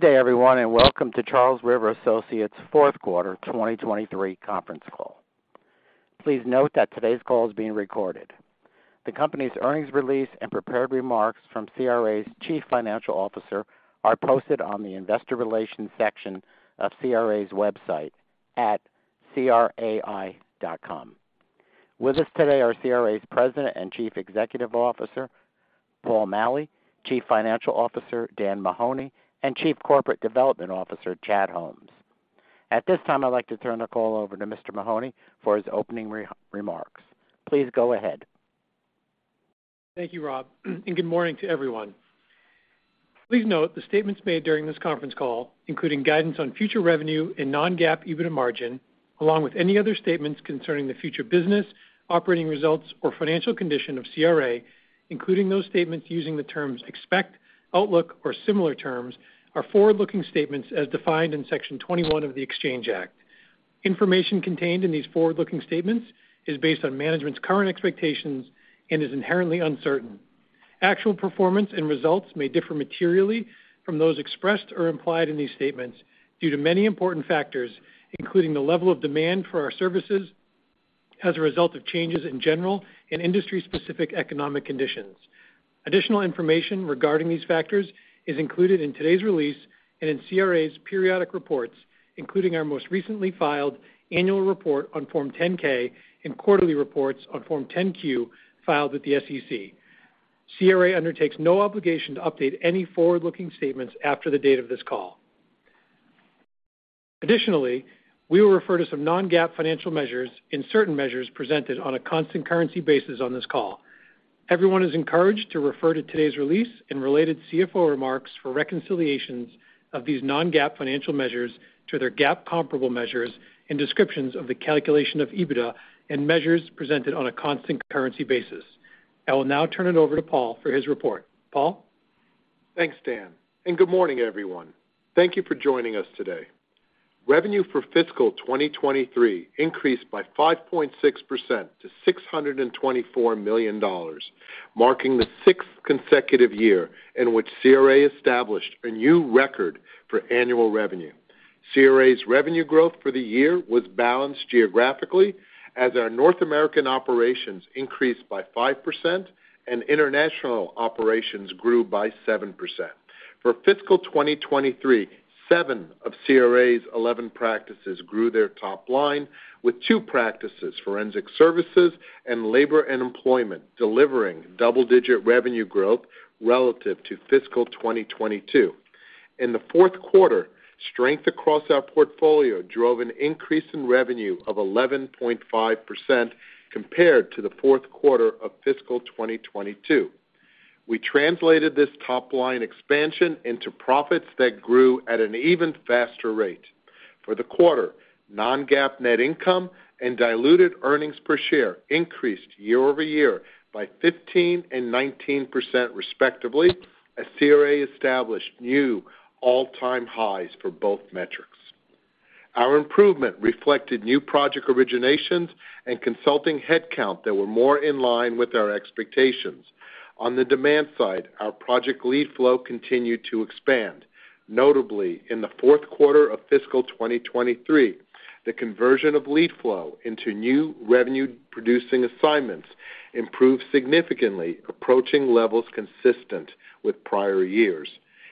Good day, everyone, and welcome to Charles River Associates' Fourth Quarter 2023 Conference Call. Please note that today's call is being recorded. The company's earnings release and prepared remarks from CRA's Chief Financial Officer are posted on the Investor Relations section of CRA's website at CRAI.com. With us today are CRA's President and Chief Executive Officer Paul Maleh, Chief Financial Officer Dan Mahoney, and Chief Corporate Development Officer Chad Holmes. At this time, I'd like to turn the call over to Mr. Mahoney for his opening remarks. Please go ahead. Thank you, Rob, and good morning to everyone. Please note, the statements made during this conference call, including guidance on future revenue and non-GAAP EBITDA margin, along with any other statements concerning the future business, operating results, or financial condition of CRA, including those statements using the terms expect, outlook, or similar terms, are forward-looking statements as defined in Section 21 of the Exchange Act. Information contained in these forward-looking statements is based on management's current expectations and is inherently uncertain. Actual performance and results may differ materially from those expressed or implied in these statements due to many important factors, including the level of demand for our services as a result of changes in general and industry-specific economic conditions. Additional information regarding these factors is included in today's release and in CRA's periodic reports, including our most recently filed annual report on Form 10-K and quarterly reports on Form 10-Q filed with the SEC. CRA undertakes no obligation to update any forward-looking statements after the date of this call. Additionally, we will refer to some non-GAAP financial measures in certain measures presented on a constant currency basis on this call. Everyone is encouraged to refer to today's release and related CFO remarks for reconciliations of these non-GAAP financial measures to their GAAP comparable measures and descriptions of the calculation of EBITDA and measures presented on a constant currency basis. I will now turn it over to Paul for his report. Paul? Thanks, Dan, and good morning, everyone. Thank you for joining us today. Revenue for fiscal 2023 increased by 5.6% to $624 million, marking the sixth consecutive year in which CRA established a new record for annual revenue. CRA's revenue growth for the year was balanced geographically as our North American operations increased by 5% and international operations grew by 7%. For fiscal 2023, seven of CRA's 11 practices grew their top line, with two practices, forensic services and labor and employment, delivering double-digit revenue growth relative to fiscal 2022. In the fourth quarter, strength across our portfolio drove an increase in revenue of 11.5% compared to the fourth quarter of fiscal 2022. We translated this top-line expansion into profits that grew at an even faster rate. For the quarter, non-GAAP net income and diluted earnings per share increased year-over-year by 15% and 19%, respectively, as CRA established new all-time highs for both metrics. Our improvement reflected new project originations and consulting headcount that were more in line with our expectations. On the demand side, our project lead flow continued to expand. Notably, in the fourth quarter of fiscal 2023, the conversion of lead flow into new revenue-producing assignments improved significantly, approaching levels consistent with prior years,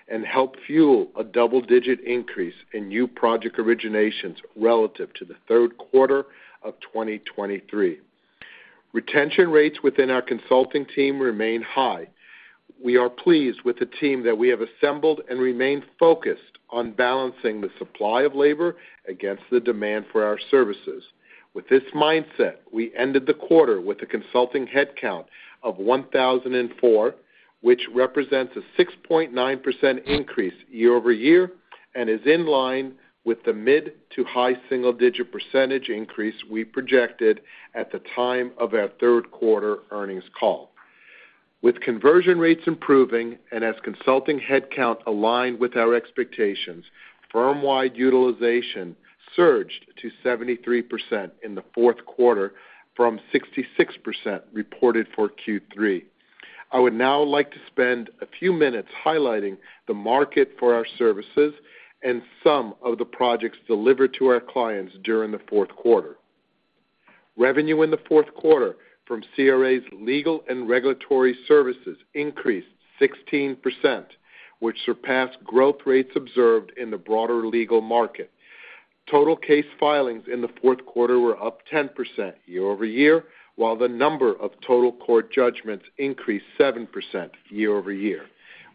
and helped fuel a double-digit increase in new project originations relative to the third quarter of 2023. Retention rates within our consulting team remain high. We are pleased with the team that we have assembled and remain focused on balancing the supply of labor against the demand for our services. With this mindset, we ended the quarter with a consulting headcount of 1,004, which represents a 6.9% increase year-over-year and is in line with the mid to high single-digit percentage increase we projected at the time of our third quarter earnings call. With conversion rates improving and as consulting headcount aligned with our expectations, firm-wide utilization surged to 73% in the fourth quarter from 66% reported for Q3. I would now like to spend a few minutes highlighting the market for our services and some of the projects delivered to our clients during the fourth quarter. Revenue in the fourth quarter from CRA's legal and regulatory services increased 16%, which surpassed growth rates observed in the broader legal market. Total case filings in the fourth quarter were up 10% year-over-year, while the number of total court judgments increased 7% year-over-year.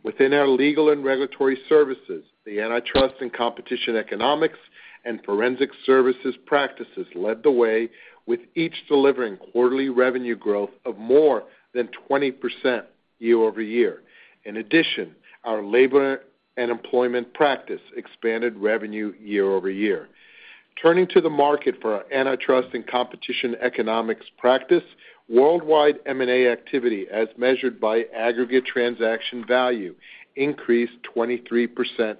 Within our legal and regulatory services, the antitrust and competition economics and forensic services practices led the way, with each delivering quarterly revenue growth of more than 20% year-over-year. In addition, our labor and employment practice expanded revenue year-over-year. Turning to the market for our antitrust and competition economics practice, worldwide M&A activity, as measured by aggregate transaction value, increased 23%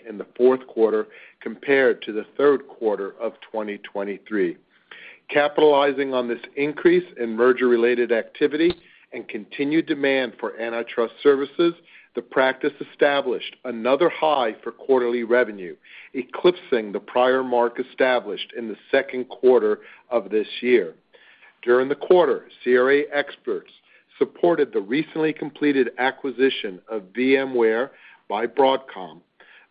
in the fourth quarter compared to the third quarter of 2023. Capitalizing on this increase in merger-related activity and continued demand for antitrust services, the practice established another high for quarterly revenue, eclipsing the prior mark established in the second quarter of this year. During the quarter, CRA experts supported the recently completed acquisition of VMware by Broadcom.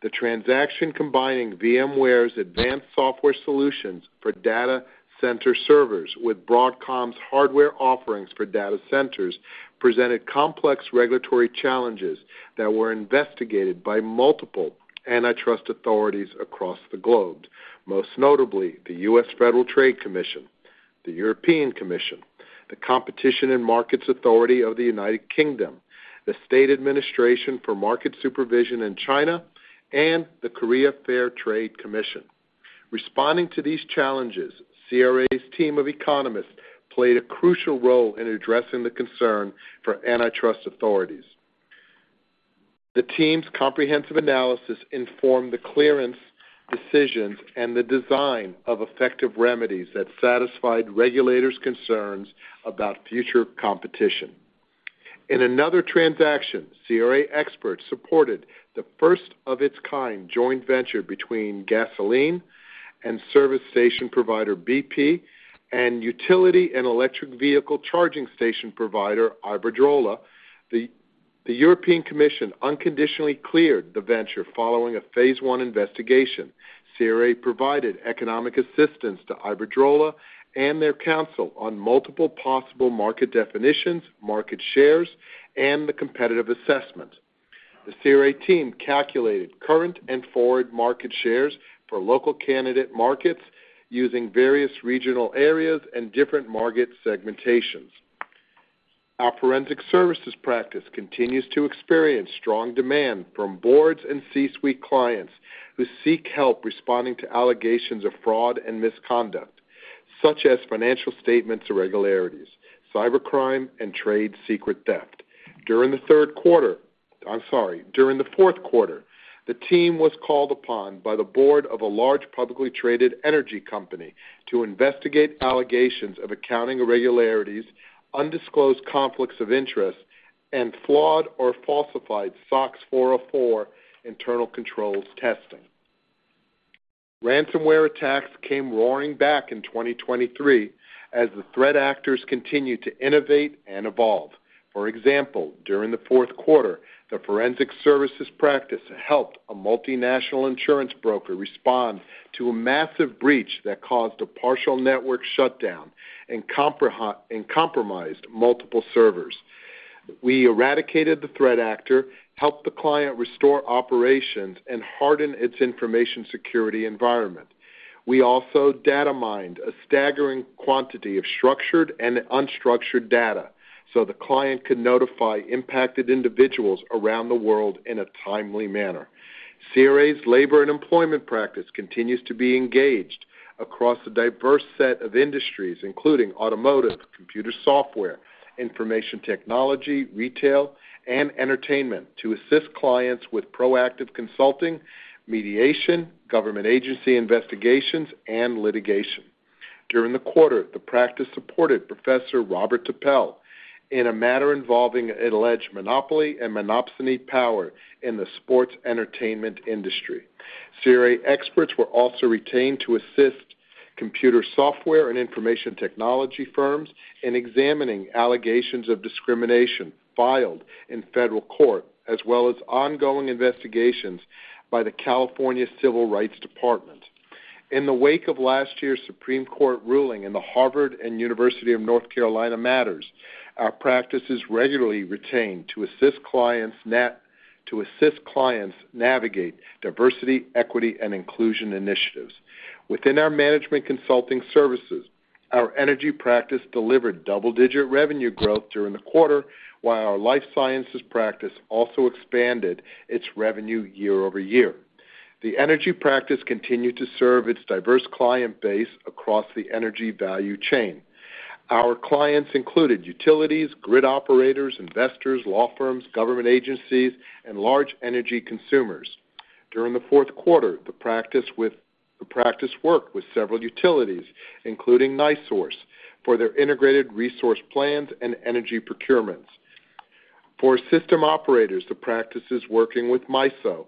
The transaction combining VMware's advanced software solutions for data center servers with Broadcom's hardware offerings for data centers presented complex regulatory challenges that were investigated by multiple antitrust authorities across the globe, most notably the U.S. Federal Trade Commission, the European Commission, the Competition and Markets Authority of the United Kingdom, the State Administration for Market Supervision in China, and the Korea Fair Trade Commission. Responding to these challenges, CRA's team of economists played a crucial role in addressing the concern for antitrust authorities. The team's comprehensive analysis informed the clearance decisions and the design of effective remedies that satisfied regulators' concerns about future competition. In another transaction, CRA experts supported the first-of-its-kind joint venture between Gasoline and Service Station Provider BP and Utility and Electric Vehicle Charging Station Provider Iberdrola. The European Commission unconditionally cleared the venture following a Phase I investigation. CRA provided economic assistance to Iberdrola and their counsel on multiple possible market definitions, market shares, and the competitive assessment. The CRA team calculated current and forward market shares for local candidate markets using various regional areas and different market segmentations. Our forensic services practice continues to experience strong demand from boards and C-suite clients who seek help responding to allegations of fraud and misconduct, such as financial statements irregularities, cybercrime, and trade secret theft. During the third quarter, I'm sorry, during the fourth quarter, the team was called upon by the board of a large publicly traded energy company to investigate allegations of accounting irregularities, undisclosed conflicts of interest, and flawed or falsified SOX 404 internal controls testing. Ransomware attacks came roaring back in 2023 as the threat actors continued to innovate and evolve. For example, during the fourth quarter, the forensic services practice helped a multinational insurance broker respond to a massive breach that caused a partial network shutdown and compromised multiple servers. We eradicated the threat actor, helped the client restore operations, and hardened its information security environment. We also data mined a staggering quantity of structured and unstructured data so the client could notify impacted individuals around the world in a timely manner. CRA's labor and employment practice continues to be engaged across a diverse set of industries, including automotive, computer software, information technology, retail, and entertainment, to assist clients with proactive consulting, mediation, government agency investigations, and litigation. During the quarter, the practice supported Professor Robert Topel in a matter involving an alleged monopoly and monopsony power in the sports entertainment industry. CRA experts were also retained to assist computer software and information technology firms in examining allegations of discrimination filed in federal court, as well as ongoing investigations by the California Civil Rights Department. In the wake of last year's Supreme Court ruling in the Harvard and University of North Carolina matters, our practice is regularly retained to assist clients navigate diversity, equity, and inclusion initiatives. Within our management consulting services, our energy practice delivered double-digit revenue growth during the quarter, while our life sciences practice also expanded its revenue year over year. The energy practice continued to serve its diverse client base across the energy value chain. Our clients included utilities, grid operators, investors, law firms, government agencies, and large energy consumers. During the fourth quarter, the practice worked with several utilities, including NiSource, for their integrated resource plans and energy procurements. For system operators, the practice is working with MISO,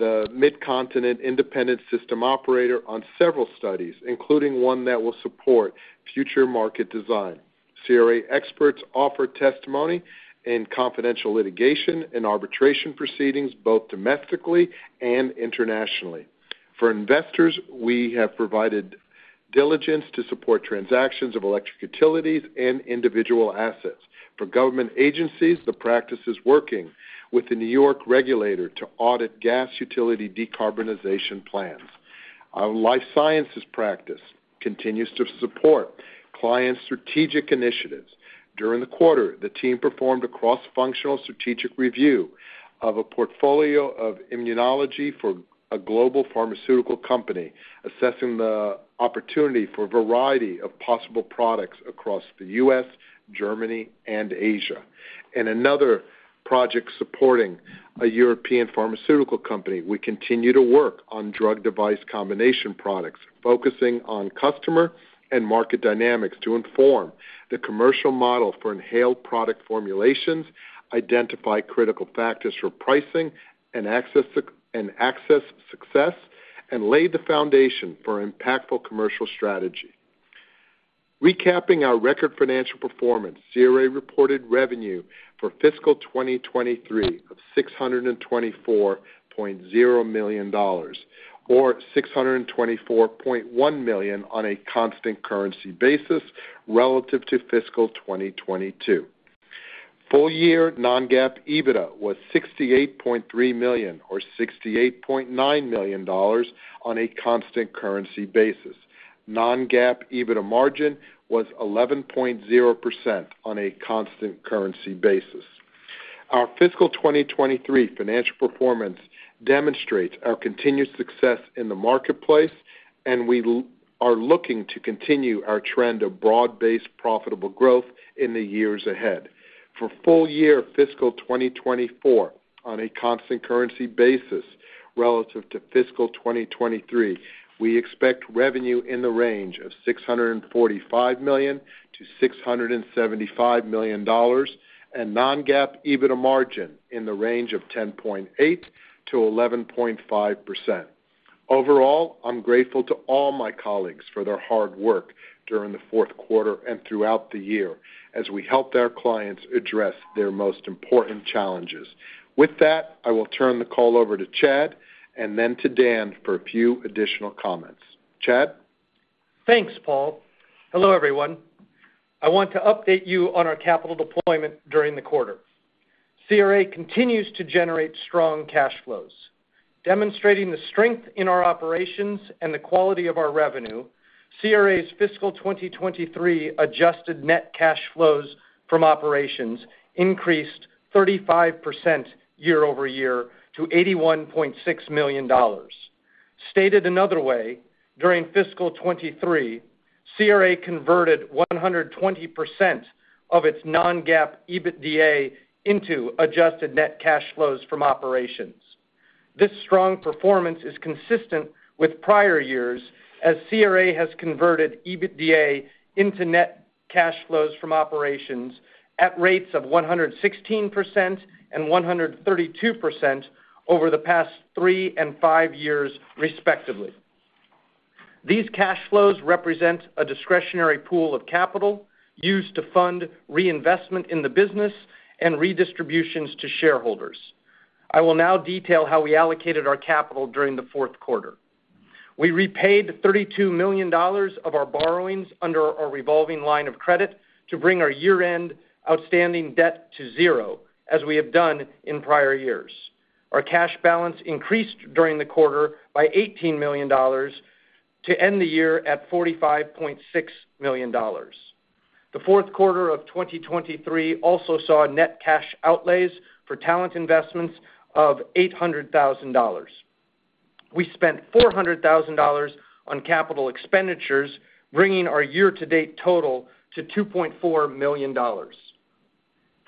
the Midcontinent Independent System Operator, on several studies, including one that will support future market design. CRA experts offer testimony in confidential litigation and arbitration proceedings, both domestically and internationally. For investors, we have provided diligence to support transactions of electric utilities and individual assets. For government agencies, the practice is working with the New York regulator to audit gas utility decarbonization plans. Our life sciences practice continues to support clients' strategic initiatives. During the quarter, the team performed a cross-functional strategic review of a portfolio of immunology for a global pharmaceutical company, assessing the opportunity for a variety of possible products across the U.S., Germany, and Asia. In another project supporting a European pharmaceutical company, we continue to work on drug-device combination products, focusing on customer and market dynamics to inform the commercial model for inhaled product formulations, identify critical factors for pricing and access success, and lay the foundation for impactful commercial strategy. Recapping our record financial performance, CRA reported revenue for fiscal 2023 of $624.0 million, or $624.1 million on a constant currency basis relative to fiscal 2022. Full-year non-GAAP EBITDA was $68.3 million, or $68.9 million, on a constant currency basis. Non-GAAP EBITDA margin was 11.0% on a constant currency basis. Our fiscal 2023 financial performance demonstrates our continued success in the marketplace, and we are looking to continue our trend of broad-based profitable growth in the years ahead. For full-year fiscal 2024 on a constant currency basis relative to fiscal 2023, we expect revenue in the range of $645 million-$675 million, and non-GAAP EBITDA margin in the range of 10.8%-11.5%. Overall, I'm grateful to all my colleagues for their hard work during the fourth quarter and throughout the year as we helped our clients address their most important challenges. With that, I will turn the call over to Chad and then to Dan for a few additional comments. Chad? Thanks, Paul. Hello, everyone. I want to update you on our capital deployment during the quarter. CRA continues to generate strong cash flows. Demonstrating the strength in our operations and the quality of our revenue, CRA's fiscal 2023 adjusted net cash flows from operations increased 35% year-over-year to $81.6 million. Stated another way, during fiscal 2023, CRA converted 120% of its non-GAAP EBITDA into adjusted net cash flows from operations. This strong performance is consistent with prior years as CRA has converted EBITDA into net cash flows from operations at rates of 116% and 132% over the past three and five years, respectively. These cash flows represent a discretionary pool of capital used to fund reinvestment in the business and redistributions to shareholders. I will now detail how we allocated our capital during the fourth quarter. We repaid $32 million of our borrowings under our revolving line of credit to bring our year-end outstanding debt to zero, as we have done in prior years. Our cash balance increased during the quarter by $18 million to end the year at $45.6 million. The fourth quarter of 2023 also saw net cash outlays for talent investments of $800,000. We spent $400,000 on capital expenditures, bringing our year-to-date total to $2.4 million.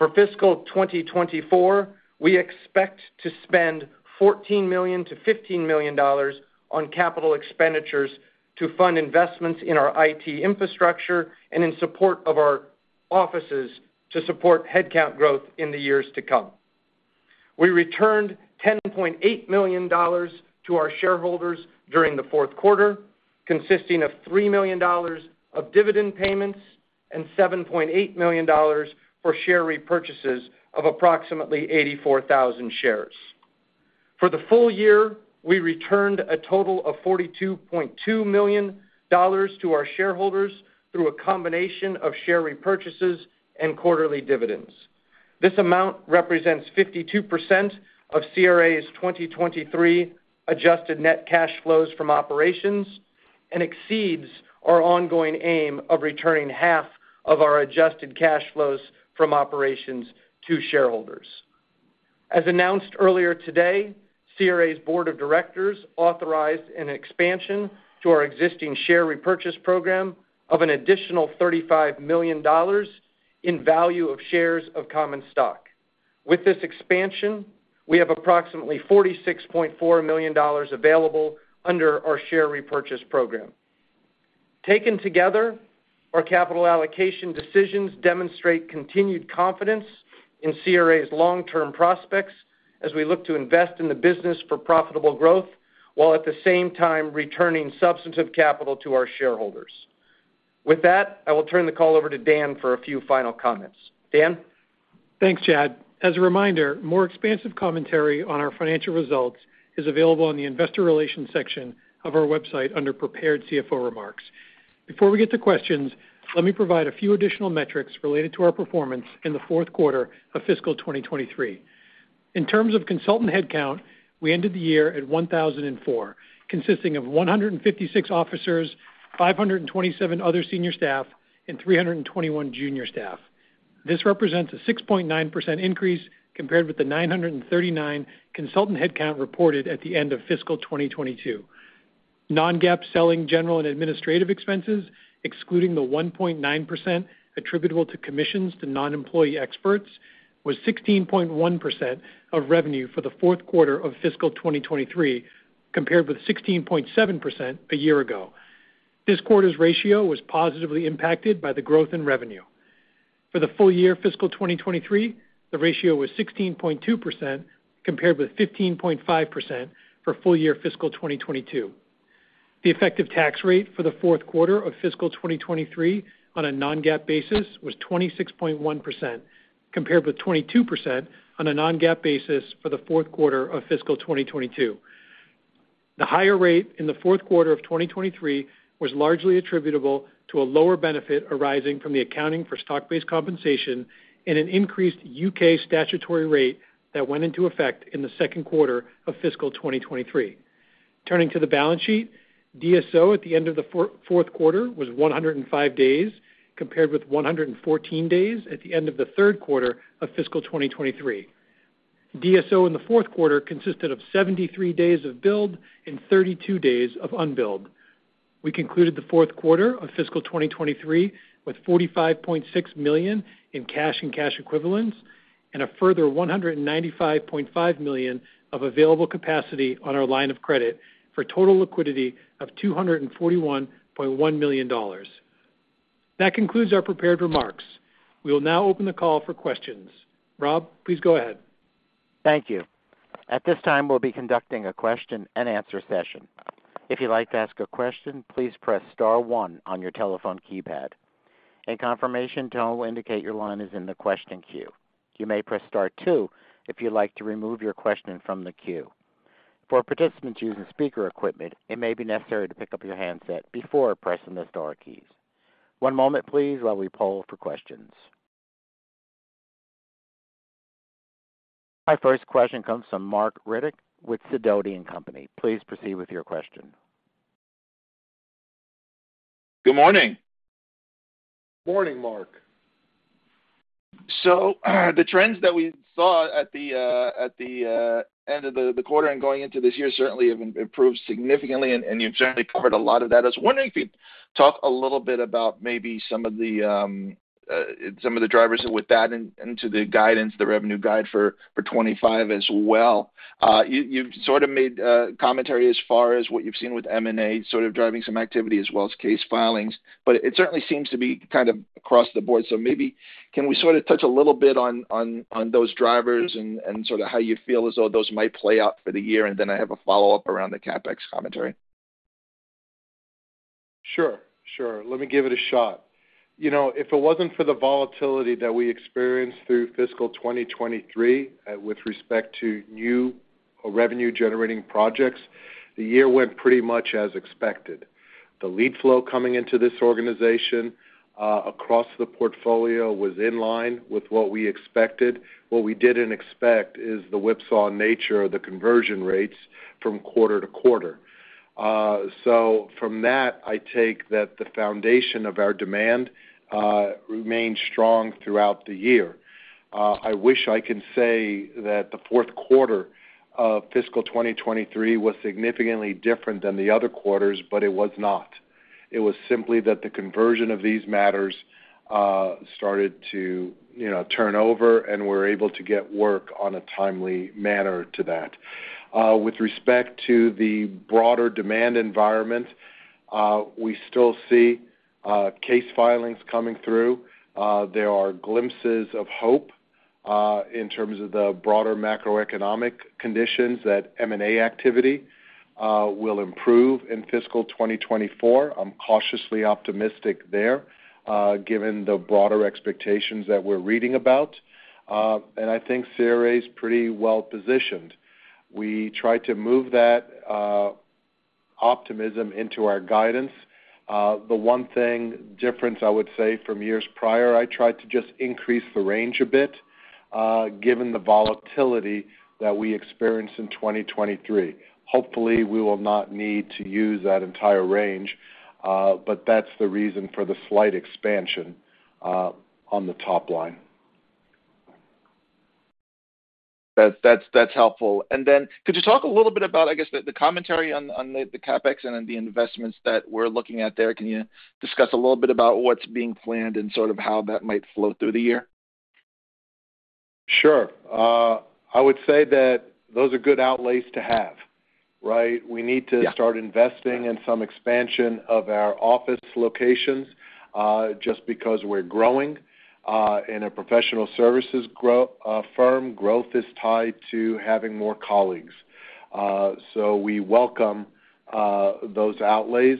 For fiscal 2024, we expect to spend $14 million-$15 million on capital expenditures to fund investments in our IT infrastructure and in support of our offices to support headcount growth in the years to come. We returned $10.8 million to our shareholders during the fourth quarter, consisting of $3 million of dividend payments and $7.8 million for share repurchases of approximately 84,000 shares. For the full year, we returned a total of $42.2 million to our shareholders through a combination of share repurchases and quarterly dividends. This amount represents 52% of CRA's 2023 adjusted net cash flows from operations and exceeds our ongoing aim of returning half of our adjusted cash flows from operations to shareholders. As announced earlier today, CRA's board of directors authorized an expansion to our existing share repurchase program of an additional $35 million in value of shares of common stock. With this expansion, we have approximately $46.4 million available under our share repurchase program. Taken together, our capital allocation decisions demonstrate continued confidence in CRA's long-term prospects as we look to invest in the business for profitable growth while at the same time returning substantive capital to our shareholders. With that, I will turn the call over to Dan for a few final comments. Dan? Thanks, Chad. As a reminder, more expansive commentary on our financial results is available on the investor relations section of our website under Prepared CFO Remarks. Before we get to questions, let me provide a few additional metrics related to our performance in the fourth quarter of fiscal 2023. In terms of consultant headcount, we ended the year at 1,004, consisting of 156 officers, 527 other senior staff, and 321 junior staff. This represents a 6.9% increase compared with the 939 consultant headcount reported at the end of fiscal 2022. Non-GAAP selling general and administrative expenses, excluding the 1.9% attributable to commissions to non-employee experts, was 16.1% of revenue for the fourth quarter of fiscal 2023 compared with 16.7% a year ago. This quarter's ratio was positively impacted by the growth in revenue. For the full-year fiscal 2023, the ratio was 16.2% compared with 15.5% for full-year fiscal 2022. The effective tax rate for the fourth quarter of fiscal 2023 on a non-GAAP basis was 26.1% compared with 22% on a non-GAAP basis for the fourth quarter of fiscal 2022. The higher rate in the fourth quarter of 2023 was largely attributable to a lower benefit arising from the accounting for stock-based compensation and an increased U.K. statutory rate that went into effect in the second quarter of fiscal 2023. Turning to the balance sheet, DSO at the end of the fourth quarter was 105 days compared with 114 days at the end of the third quarter of fiscal 2023. DSO in the fourth quarter consisted of 73 days of billed and 32 days of unbilled. We concluded the fourth quarter of fiscal 2023 with $45.6 million in cash and cash equivalents and a further $195.5 million of available capacity on our line of credit for total liquidity of $241.1 million. That concludes our prepared remarks. We will now open the call for questions. Rob, please go ahead. Thank you. At this time, we'll be conducting a question-and-answer session. If you'd like to ask a question, please press star one on your telephone keypad. In confirmation, tell them to indicate your line is in the question queue. You may press star two if you'd like to remove your question from the queue. For participants using speaker equipment, it may be necessary to pick up your handset before pressing the star keys. One moment, please, while we poll for questions. My first question comes from Marc Riddick with Sidoti & Company. Please proceed with your question. Good morning. Morning, Mark. So the trends that we saw at the end of the quarter and going into this year certainly have improved significantly, and you've certainly covered a lot of that. I was wondering if you'd talk a little bit about maybe some of the drivers with that into the guidance, the revenue guide for 2025 as well. You've sort of made commentary as far as what you've seen with M&A, sort of driving some activity as well as case filings, but it certainly seems to be kind of across the board. So maybe can we sort of touch a little bit on those drivers and sort of how you feel as though those might play out for the year, and then I have a follow-up around the CapEx commentary. Sure. Sure. Let me give it a shot. If it wasn't for the volatility that we experienced through fiscal 2023 with respect to new revenue-generating projects, the year went pretty much as expected. The lead flow coming into this organization across the portfolio was in line with what we expected. What we didn't expect is the whipsaw nature of the conversion rates from quarter to quarter. So from that, I take that the foundation of our demand remained strong throughout the year. I wish I can say that the fourth quarter of fiscal 2023 was significantly different than the other quarters, but it was not. It was simply that the conversion of these matters started to turn over, and we're able to get work on a timely manner to that. With respect to the broader demand environment, we still see case filings coming through. There are glimpses of hope in terms of the broader macroeconomic conditions that M&A activity will improve in fiscal 2024. I'm cautiously optimistic there given the broader expectations that we're reading about. I think CRA is pretty well positioned. We tried to move that optimism into our guidance. The one thing difference, I would say, from years prior, I tried to just increase the range a bit given the volatility that we experienced in 2023. Hopefully, we will not need to use that entire range, but that's the reason for the slight expansion on the top line. That's helpful. And then could you talk a little bit about, I guess, the commentary on the CapEx and the investments that we're looking at there? Can you discuss a little bit about what's being planned and sort of how that might flow through the year? Sure. I would say that those are good outlays to have, right? We need to start investing in some expansion of our office locations just because we're growing. In a professional services firm, growth is tied to having more colleagues, so we welcome those outlays.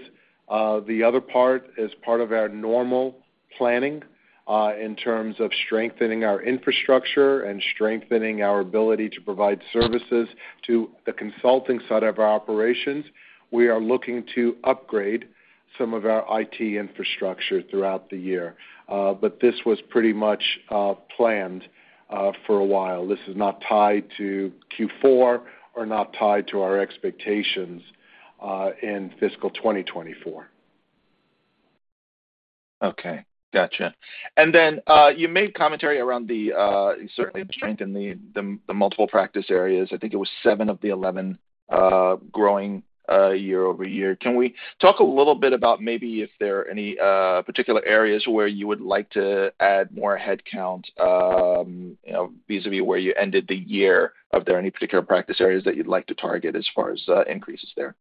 The other part, as part of our normal planning in terms of strengthening our infrastructure and strengthening our ability to provide services to the consulting side of our operations, we are looking to upgrade some of our IT infrastructure throughout the year. But this was pretty much planned for a while. This is not tied to Q4 or not tied to our expectations in fiscal 2024. Okay. Gotcha. Then you made commentary around, certainly, the strength in the multiple practice areas. I think it was seven of the 11 growing year-over-year. Can we talk a little bit about maybe if there are any particular areas where you would like to add more headcount vis-à-vis where you ended the year? Are there any particular practice areas that you'd like to target as far as increases there?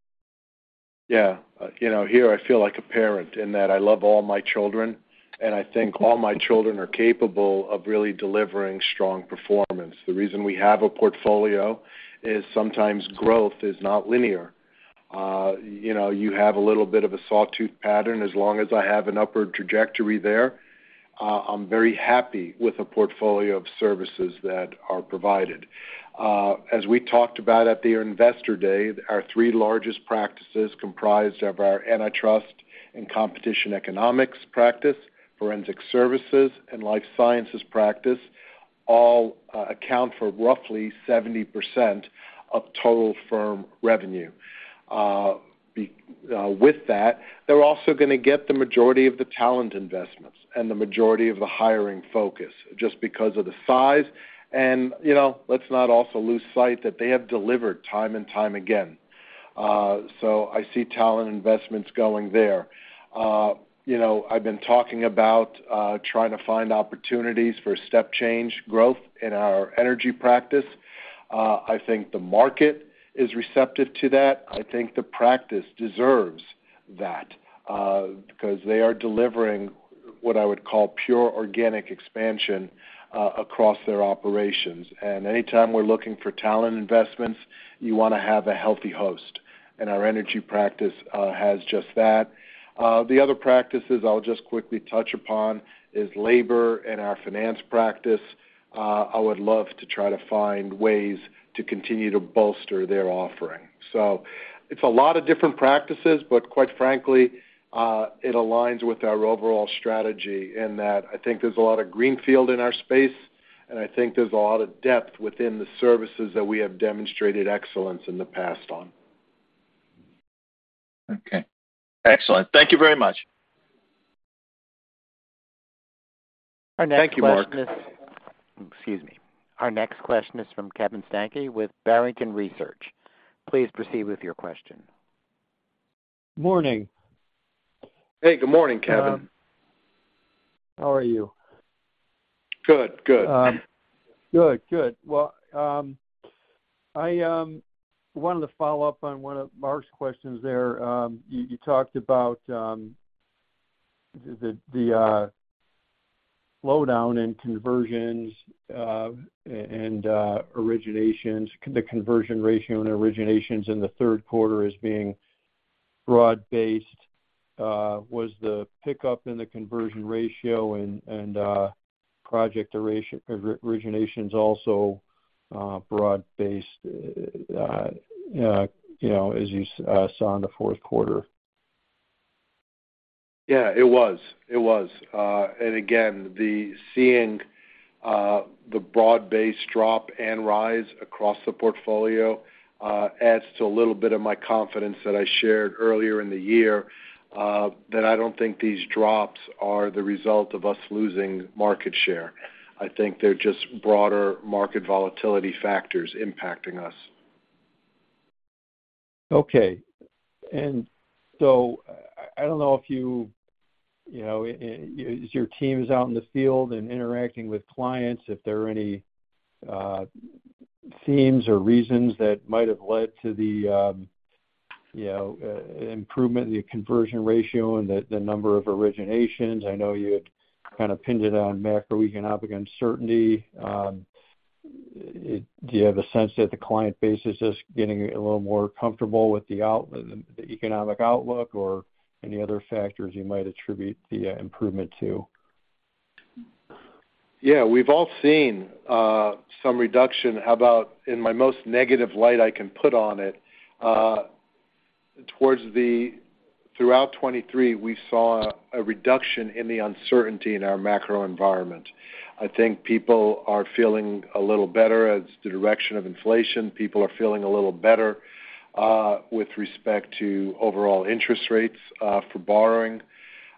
Yeah. Here, I feel like a parent in that I love all my children, and I think all my children are capable of really delivering strong performance. The reason we have a portfolio is sometimes growth is not linear. You have a little bit of a sawtooth pattern. As long as I have an upward trajectory there, I'm very happy with a portfolio of services that are provided. As we talked about at the investor day, our three largest practices comprised of our antitrust and competition economics practice, forensic services, and life sciences practice all account for roughly 70% of total firm revenue. With that, they're also going to get the majority of the talent investments and the majority of the hiring focus just because of the size. And let's not also lose sight that they have delivered time and time again. So I see talent investments going there. I've been talking about trying to find opportunities for step change growth in our energy practice. I think the market is receptive to that. I think the practice deserves that because they are delivering what I would call pure organic expansion across their operations. Anytime we're looking for talent investments, you want to have a healthy host, and our energy practice has just that. The other practices I'll just quickly touch upon is labor and our finance practice. I would love to try to find ways to continue to bolster their offering. So it's a lot of different practices, but quite frankly, it aligns with our overall strategy in that I think there's a lot of greenfield in our space, and I think there's a lot of depth within the services that we have demonstrated excellence in the past on. Okay. Excellent. Thank you very much. Thank you, Mark. Excuse me. Our next question is from Kevin Steinke with Barrington Research. Please proceed with your question. Morning. Hey. Good morning, Kevin. How are you? Good. Good. Good. Well, I wanted to follow up on one of Mark's questions there. You talked about the slowdown in conversions and originations, the conversion ratio and originations in the third quarter as being broad-based. Was the pickup in the conversion ratio and project originations also broad-based as you saw in the fourth quarter? Yeah. It was. And again, seeing the broad-based drop and rise across the portfolio adds to a little bit of my confidence that I shared earlier in the year that I don't think these drops are the result of us losing market share. I think they're just broader market volatility factors impacting us. Okay. And so I don't know if you as your team is out in the field and interacting with clients, if there are any themes or reasons that might have led to the improvement in the conversion ratio and the number of originations. I know you had kind of pinned it on macroeconomic uncertainty. Do you have a sense that the client base is just getting a little more comfortable with the economic outlook or any other factors you might attribute the improvement to? Yeah. We've all seen some reduction. In my most negative light I can put on it, throughout 2023, we saw a reduction in the uncertainty in our macro environment. I think people are feeling a little better as the direction of inflation. People are feeling a little better with respect to overall interest rates for borrowing.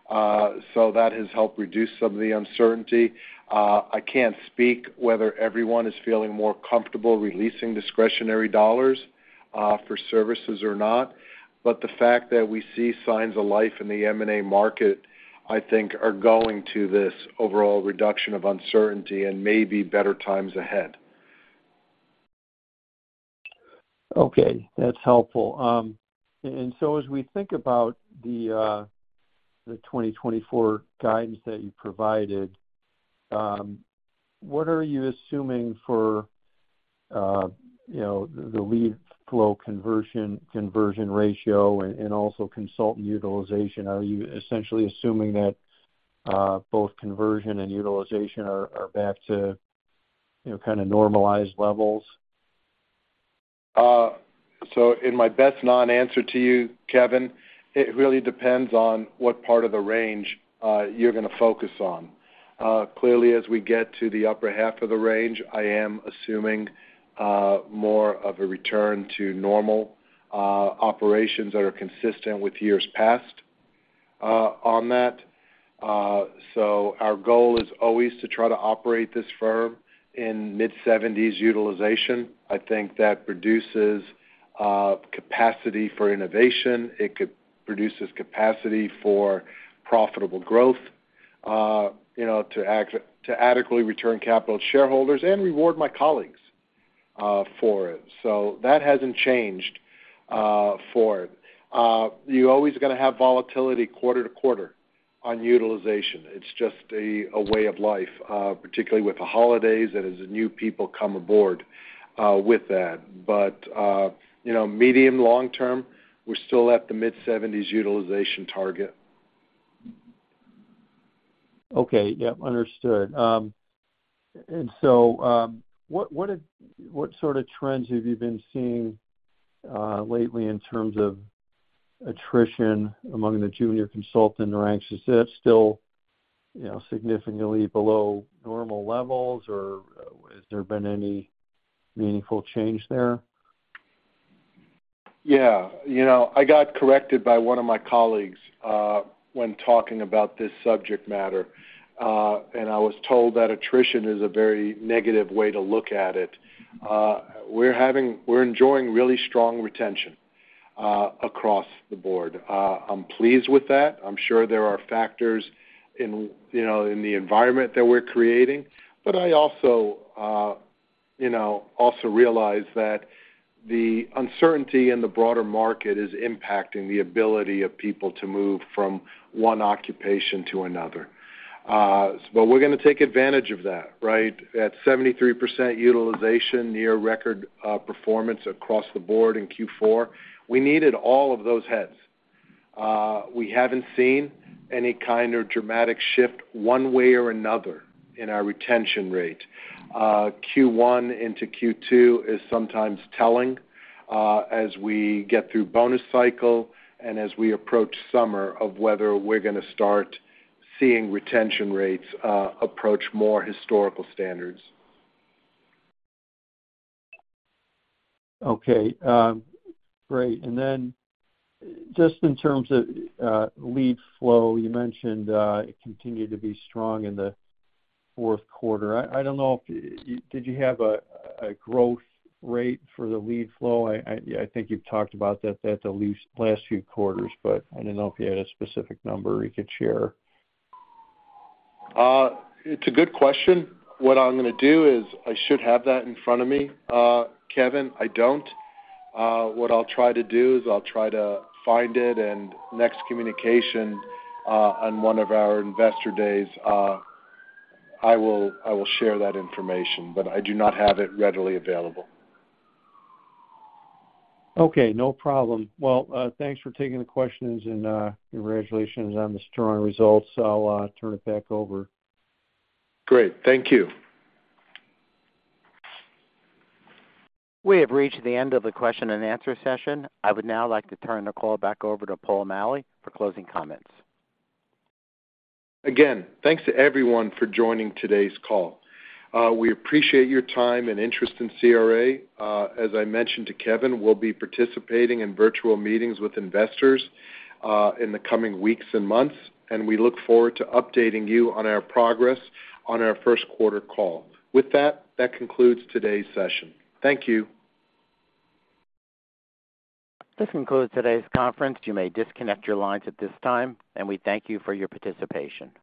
So that has helped reduce some of the uncertainty. I can't speak whether everyone is feeling more comfortable releasing discretionary dollars for services or not, but the fact that we see signs of life in the M&A market, I think, are going to this overall reduction of uncertainty and maybe better times ahead. Okay. That's helpful. And so as we think about the 2024 guidance that you provided, what are you assuming for the lead flow conversion ratio and also consultant utilization? Are you essentially assuming that both conversion and utilization are back to kind of normalized levels? So in my best non-answer to you, Kevin, it really depends on what part of the range you're going to focus on. Clearly, as we get to the upper half of the range, I am assuming more of a return to normal operations that are consistent with years past on that. So our goal is always to try to operate this firm in mid-70s utilization. I think that produces capacity for innovation. It produces capacity for profitable growth to adequately return capital to shareholders and reward my colleagues for it. So that hasn't changed for it. You're always going to have volatility quarter to quarter on utilization. It's just a way of life, particularly with the holidays and as new people come aboard with that. But medium-long term, we're still at the mid-70s utilization target. Okay. Yep. Understood. And so what sort of trends have you been seeing lately in terms of attrition among the junior consultant ranks? Is that still significantly below normal levels, or has there been any meaningful change there? Yeah. I got corrected by one of my colleagues when talking about this subject matter, and I was told that attrition is a very negative way to look at it. We're enjoying really strong retention across the board. I'm pleased with that. I'm sure there are factors in the environment that we're creating, but I also realize that the uncertainty in the broader market is impacting the ability of people to move from one occupation to another. But we're going to take advantage of that, right? At 73% utilization, near-record performance across the board in Q4, we needed all of those heads. We haven't seen any kind of dramatic shift one way or another in our retention rate. Q1 into Q2 is sometimes telling as we get through bonus cycle and as we approach summer of whether we're going to start seeing retention rates approach more historical standards. Okay. Great. And then just in terms of lead flow, you mentioned it continued to be strong in the fourth quarter. I don't know if you had a growth rate for the lead flow? I think you've talked about that the last few quarters, but I don't know if you had a specific number you could share. It's a good question. What I'm going to do is I should have that in front of me, Kevin. I don't. What I'll try to do is I'll try to find it, and next communication on one of our investor days, I will share that information, but I do not have it readily available. Okay. No problem. Well, thanks for taking the questions, and congratulations on the strong results. I'll turn it back over. Great. Thank you. We have reached the end of the question and answer session. I would now like to turn the call back over to Paul Maleh for closing comments. Again, thanks to everyone for joining today's call. We appreciate your time and interest in CRA. As I mentioned to Kevin, we'll be participating in virtual meetings with investors in the coming weeks and months, and we look forward to updating you on our progress on our first quarter call. With that, that concludes today's session. Thank you. This concludes today's conference. You may disconnect your lines at this time, and we thank you for your participation.